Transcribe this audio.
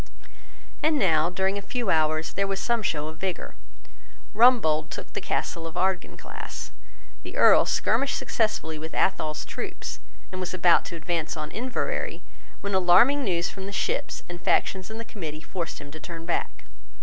And now, during a few hours, there was some show of vigour. Rumbold took the castle of Ardkinglass. The Earl skirmished successfully with Athol's troops, and was about to advance on Inverary, when alarming news from the ships and factions in the Committee forced him to turn back.